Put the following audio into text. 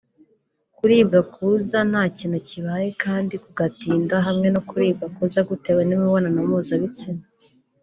kuribwa kuza ntakintu kibaye kandi kugatinda hamwe no kuribwa kuza gutewe n’imibonano mpuzabitsina